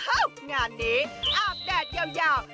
อ้าวงานนี้อาบแดดยาว